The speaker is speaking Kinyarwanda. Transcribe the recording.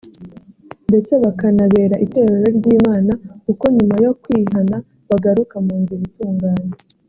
ndetse bakanabera Itorero ry’Imana kuko nyuma yo kwihana bagaruka mu nzira itunganye